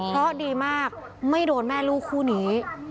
เพราะดีมากไม่โดนแม่ลูกคู่นี้